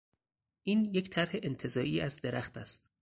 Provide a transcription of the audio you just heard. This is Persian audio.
این یک طرح انتزاعی از درخت است